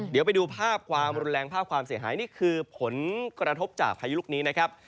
เดี๋ยวไปดูภาพความรุนแรงภาพความเสียหายนี่คือผลกระทบจากพายุลูกนี้นะครับ